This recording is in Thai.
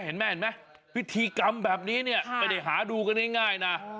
เห็นมั้ยพิธีกรรมแบบนี้ไปหาดูง่ายนะ